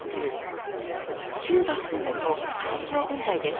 旧幕府軍の最強軍隊です。